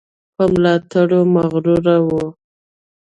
په ملاتړ مغرور وو.